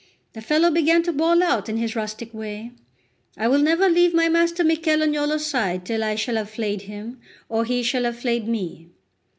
The fellow began to bawl out in his rustic way: "I will never leave my master Michel Agnolo's side till I shall have flayed him or he shall have flayed me."